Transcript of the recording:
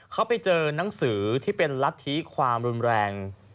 เขาไปเจอนังสือที่เป็นรัฐธิความรุนแรง